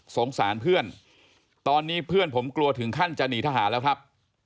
สารเพื่อนตอนนี้เพื่อนผมกลัวถึงขั้นจะหนีทหารแล้วครับ